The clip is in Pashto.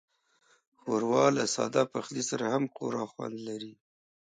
ښوروا له ساده پخلي سره هم خورا خوند لري.